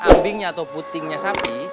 ambingnya atau putingnya sapi